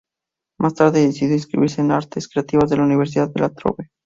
Más tarde decidió inscribirse en Artes creativas en la Universidad de la Trobe.